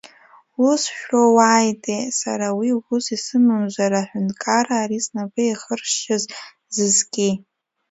Усс шәроуааитеи сара уи усс исымамзар аҳәынҭқарра ари снапы ихыршьыз зызки!